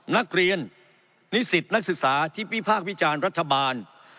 นักเรียนนิสิตนักศึกษาที่วิพากษ์วิจารณ์รัฐบาล